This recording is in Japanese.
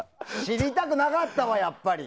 知りたくなかったわ、やっぱり。